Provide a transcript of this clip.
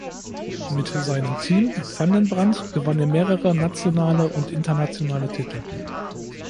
Mit seinem Team „Van den Brand“ gewann er mehrere nationale und internationale Titel.